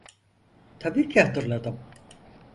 Tabii ki hatırladım.